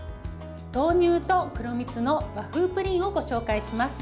豆乳と黒蜜の和風プリンをご紹介します。